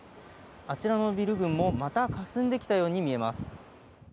あちらのビル群もまたかすんできたように見えます。